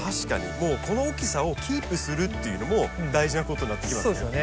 もうこの大きさをキープするっていうのも大事なことになってきますよね。